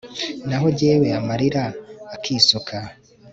naho jyewe amarira akisuka